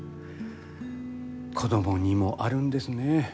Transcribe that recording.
子供にもあるんですね。